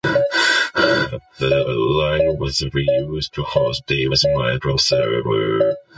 The link was reused to host Davis's Minecraft server.